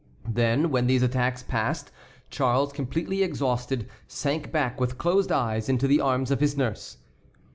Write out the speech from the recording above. Then, when these attacks passed, Charles, completely exhausted, sank back with closed eyes into the arms of his nurse.